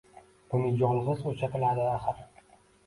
Buni yolg’iz o’sha biladi, axir —